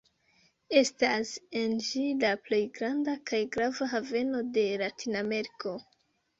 Estas en ĝi la plej granda kaj grava haveno de Latinameriko.